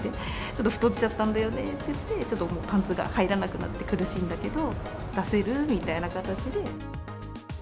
ちょっと太っちゃったんだよねって言って、ちょっとパンツが入らなくなって苦しいんだけど、出せる？みたいな形で。